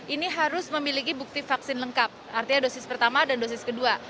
ini harus memiliki bukti vaksin lengkap artinya dosis pertama dan dosis kedua